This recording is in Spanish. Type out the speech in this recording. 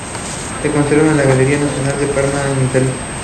Se conserva en la Galería Nacional de Parma en Italia.